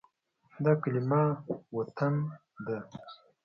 دا کلمه “وطن” ده.